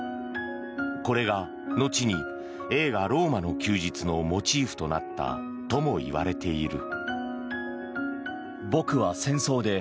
これが後に映画「ローマの休日」のモチーフとなったともいわれている。